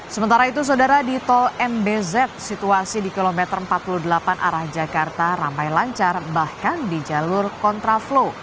sementara itu saudara di tol mbz situasi di kilometer empat puluh delapan arah jakarta ramai lancar bahkan di jalur kontraflow